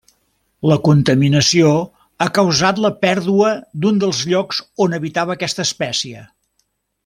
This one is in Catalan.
La contaminació ha causat la pèrdua d'un dels llocs on habitava aquesta espècie.